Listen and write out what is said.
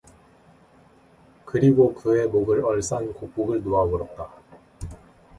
그리고 그의 목을 얼싸안고 목을 놓아 울었다.